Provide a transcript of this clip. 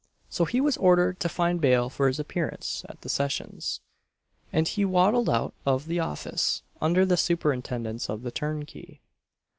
So he was ordered to find bail for his appearance at the Sessions, and he waddled out of the office under the superintendence of the turnkey.